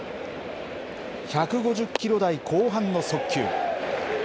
１５０キロ台後半の速球。